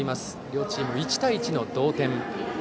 両チーム、１対１の同点。